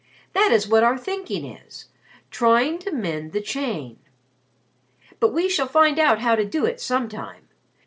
That is what our thinking is trying to mend the chain. But we shall find out how to do it sometime.